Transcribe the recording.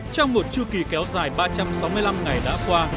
trong một chư kỳ kéo dài ba trăm sáu mươi năm ngày đã qua